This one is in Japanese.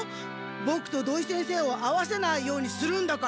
ボクと土井先生を会わせないようにするんだから。